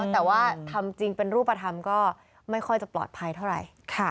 แต่ว่าทำจริงเป็นรูปธรรมก็ไม่ค่อยจะปลอดภัยเท่าไหร่